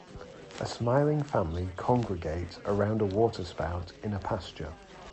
A smiling family congregate around a water spout in a pasture.